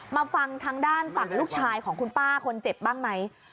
มาฟังทางด้านฝั่งลูกชายของคุณป้าคนเจ็บบ้างไหม